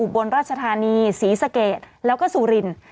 บนราชธารณีศรีสะเกตแล้วก็สูริน